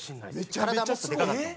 体もっとでかかったので。